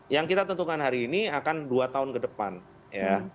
yang kita tentukan hari ini akan dua tahun ke depan ya